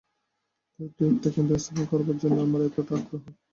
তাই তো একটা কেন্দ্র স্থাপন করবার জন্য আমার এতটা আগ্রহ।